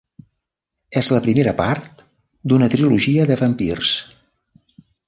És la primera part d'una trilogia de vampirs.